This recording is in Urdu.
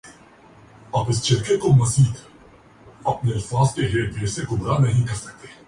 قائد اعظم نے فرمایا پاکستان جو حال ہی میں اقوام متحدہ